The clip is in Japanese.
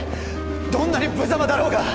どんなにぶざまだろうが